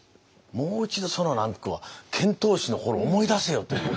もう一度その遣唐使の頃を思い出せよという。